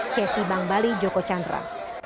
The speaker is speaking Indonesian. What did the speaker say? kesi bang bali joko candra